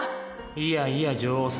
いやいや女王様。